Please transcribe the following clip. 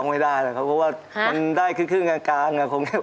หล่อไม่ได้นะครับเพราะว่ามันได้ขึ้นขึ้นกลาง